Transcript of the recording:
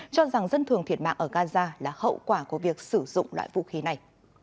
cho rằng dân thường thiệt mạng ở gaza là hậu quả của việc sử dụng loại vũ khí này